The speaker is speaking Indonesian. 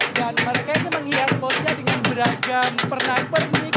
dan mereka itu menghias posnya dengan beragam pernak pernik